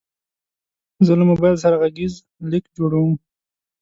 زه له موبایل سره غږیز لیک جوړوم.